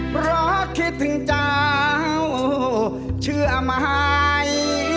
เพราะคิดถึงเจ้าเชื่อไหม